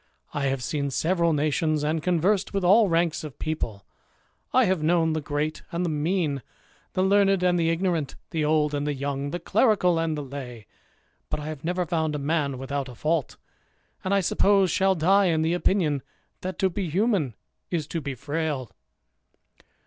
I have seen several nations, and conversed with all ranks of people; I have known the great and the mean, the learned and the ignorant, the old and the young, the clerical and the lay ; but I have never found a man without a fault ; and I suppose shall die in the opinion, that to be human is to be frail."